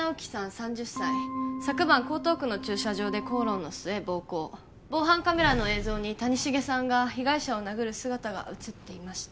３０歳昨晩江東区の駐車場で口論の末暴行防犯カメラの映像に谷繁さんが被害者を殴る姿が写っていました